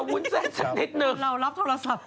วุ้นเส้นสักนิดนึงเรารับโทรศัพท์